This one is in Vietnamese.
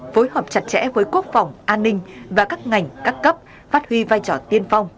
phối hợp chặt chẽ với quốc phòng an ninh và các ngành các cấp phát huy vai trò tiên phong